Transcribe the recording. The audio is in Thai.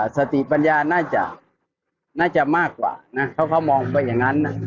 สติปัญญาน่าจะน่าจะมากกว่านะเพราะเขามองไปอย่างนั้นนะ